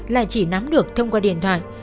là chỉ nắm được thông qua điện thoại